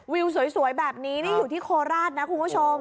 วิวสวยแบบนี้นี่อยู่ที่โคราชนะคุณผู้ชม